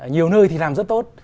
nhiều nơi thì làm rất tốt